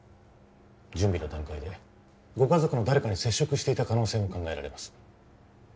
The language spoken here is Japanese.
準備の段階でご家族の誰かに接触していた可能性も考えられます